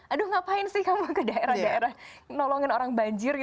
aduh ngapain sih kamu ke daerah daerah nolongin orang banjir